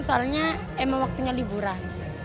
soalnya emang waktunya liburan